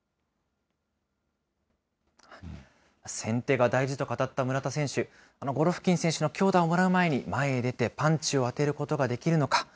先手が大事と語った村田選手、あのゴロフキン選手の強打をもらう前に、前へ出てパンチを当てることができるのか。